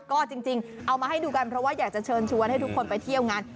ก็จริงเอามาให้ดูกันเพราะว่าอยากจะเชิญชวนให้ทุกคนไปเที่ยวงาน